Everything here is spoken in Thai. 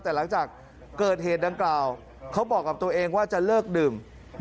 แต่หลังจากเกิดเหตุดังกล่าวเขาบอกกับตัวเองว่าจะเลิกดื่ม